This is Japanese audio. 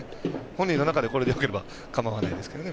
本人の中で、これでよければ構わないですけどね。